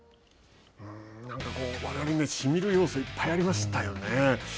なんかこうわれわれにもしみる要素がいっぱいありましたよね。